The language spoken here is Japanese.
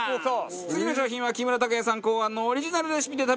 次の商品は木村拓哉さん考案のオリジナルレシピで食べる事ができます。